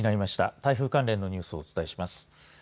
台風関連のニュースをお伝えします。